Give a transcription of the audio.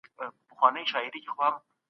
انرژي د بدن د فعالیت لپاره اړینه ده.